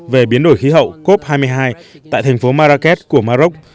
về biến đổi khí hậu cop hai mươi hai tại thành phố marrakes của maroc